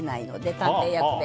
探偵役で。